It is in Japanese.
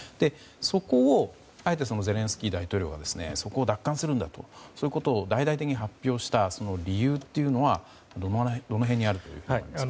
そこをあえてゼレンスキー大統領が奪還するんだということを大々的に発表した理由というのはどの辺にあると思われますか。